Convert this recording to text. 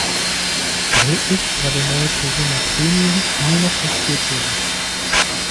Erhältlich war der neue "Corona Premio" nur noch als Viertürer.